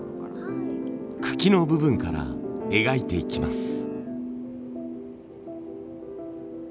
茎の部分から描いていきます。